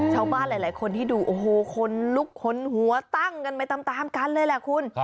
ชาวบ้านหลายคนที่ดูโอ้โหคนลุกคนหัวตั้งกันไปตามกันเลยแหละคุณ